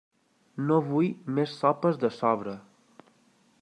No vull més sopes de sobre.